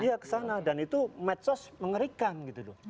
iya kesana dan itu match